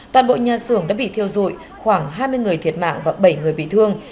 toàn bộ nhà sưởng đã bị thiêu dội khoảng hai mươi người thiệt mạng và bảy người bị thương